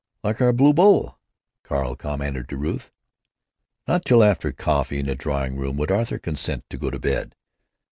"Like our blue bowl!" Carl remarked to Ruth. Not till after coffee in the drawing room would Arthur consent to go to bed.